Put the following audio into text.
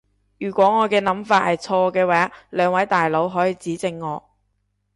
如果我嘅諗法係錯嘅話，兩位大佬可以指正我